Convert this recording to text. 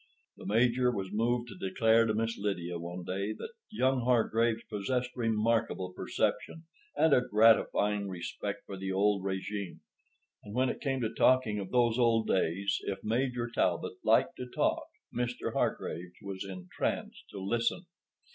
The Major was moved to declare to Miss Lydia one day that young Hargraves possessed remarkable perception and a gratifying respect for the old régime. And when it came to talking of those old days—if Major Talbot liked to talk, Mr. Hargraves was entranced to listen.